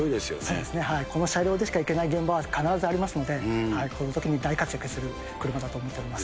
そうですね、この車両でしか行けない現場は必ずありますので、そのときに大活躍する車だと思っております。